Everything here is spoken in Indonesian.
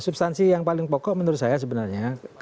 substansi yang paling pokok menurut saya sebenarnya